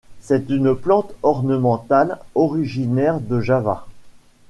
C'est une plante ornementale originaire de Java.